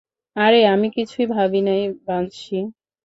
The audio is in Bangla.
আরে আমি কিছু ভাবিই নাই, বানশি!